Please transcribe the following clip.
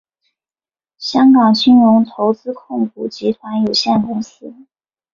香港金融投资控股集团有限公司。